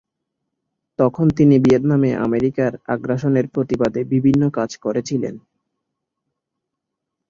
তখন তিনি ভিয়েতনামে আমেরিকার আগ্রাসনের প্রতিবাদে বিভিন্ন কাজ করছিলেন।